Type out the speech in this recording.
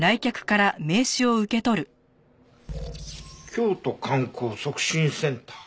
「京都観光促進センター」？